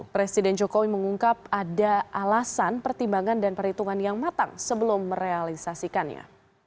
presiden jokowi mengungkap ada alasan pertimbangan dan perhitungan yang matang sebelum merealisasikannya